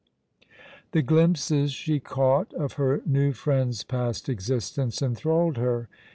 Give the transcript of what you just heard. The glimpses she caught of her new friend's past existence enthralled her.